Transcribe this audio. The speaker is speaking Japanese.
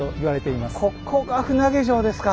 ここが船上城ですか。